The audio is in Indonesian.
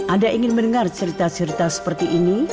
anda ingin mendengar cerita cerita seperti ini